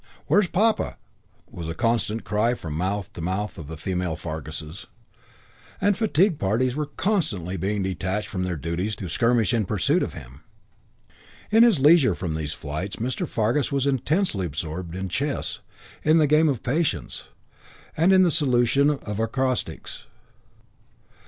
"Where is Papa?" was a constant cry from mouth to mouth of the female Farguses; and fatigue parties were constantly being detached from their duties to skirmish in pursuit of him. In his leisure from these flights Mr. Fargus was intensely absorbed in chess, in the game of Patience, and in the solution of acrostics.